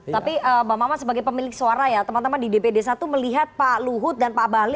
tapi mbak mama sebagai pemilik suara ya teman teman di dpd satu melihat pak luhut dan pak bahli